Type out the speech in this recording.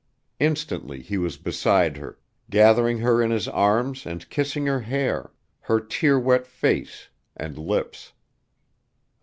Instantly he was beside her, gathering her in his arms and kissing her hair, her tear wet face and lips.